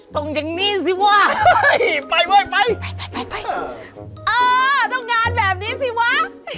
ตรงอย่างนี้สิวะเฮ้ยไปเว้ยไปไปไปไปเออต้องงานแบบนี้สิวะ